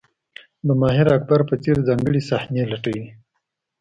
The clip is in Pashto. د ماهر اکټر په څېر ځانګړې صحنې لټوي.